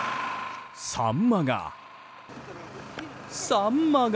サンマが。